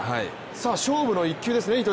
さあ、勝負の１球ですね。